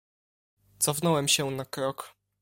"Cofnąłem się na krok."